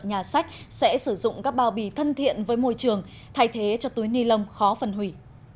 nhà sách sẽ sử dụng các bao bì thân thiện với môi trường thay thế cho túi ni lông khó phân hủy